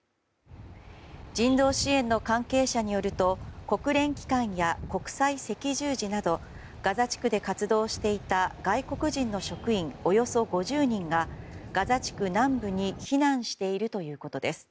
人道支援の関係者によると国連機関や国際赤十字などガザ地区で活動していた外国人の職員およそ５０人がガザ地区南部に避難しているということです。